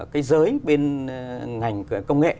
cái giới bên ngành công nghệ